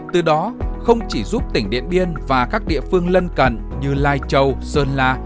từ đó không chỉ giúp tỉnh điện biên và các địa phương lân cận như lai châu sơn la